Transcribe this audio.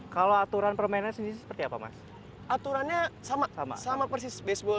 kalau aturan permainannya sendiri sih seperti apa mas aturannya sama sama persis baseball